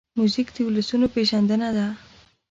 موزیک د ولسونو پېژندنه ده.